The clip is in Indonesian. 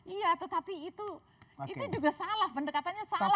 iya tetapi itu juga salah pendekatannya salah